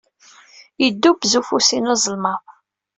Yeddubbez ufus-inu azelmaḍ.